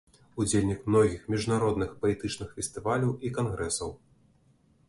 Удзельнік многіх міжнародных паэтычных фестываляў і кангрэсаў.